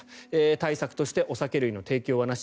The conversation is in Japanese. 対策としてお酒類の提供はなし。